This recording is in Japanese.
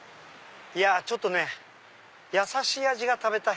いやちょっとねやさしい味が食べたい。